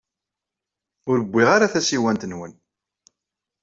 Ur wwiɣ ara tasiwant-nwen.